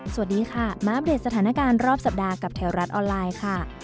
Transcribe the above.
สวัสดีค่ะมาอัปเดตสถานการณ์รอบสัปดาห์กับแถวรัฐออนไลน์ค่ะ